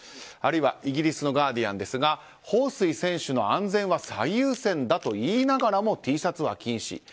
あるいは、イギリスのガーディアンですがホウ・スイ選手の安全は最優先だと言いながらもＴシャツは禁止。